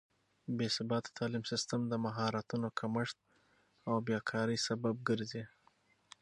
بې ثباته تعليم سيستم د مهارتونو کمښت او بې کارۍ سبب ګرځي.